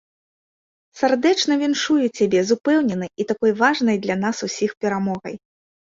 Сардэчна віншую цябе з упэўненай і такой важнай для ўсіх нас перамогай!